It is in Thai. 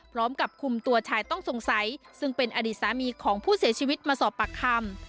พร้อมกับคุมตัวชายต้องสงสัยซึ่งเป็นอดีตสามีของผู้เสียชีวิตมาสอบปากคำ